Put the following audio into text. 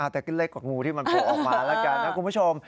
แต่ก็เล็กกว่างูที่มันโผล่ออกมาแล้วกันนะคุณผู้ชม